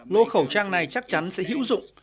lô khẩu trang này chắc chắn sẽ hữu dụng